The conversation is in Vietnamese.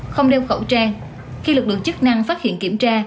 không đeo khẩu trang khi lực lượng chức năng phát hiện kiểm tra